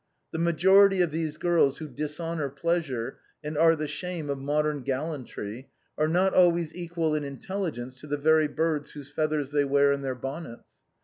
The majority of these girls who dislionor pleasure, and are the shame of modern gal lantry, are not always equal in intelligence to the very birds whose feathers tliey wear in their bonnets.